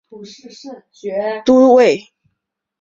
后来又担任左转骑都尉。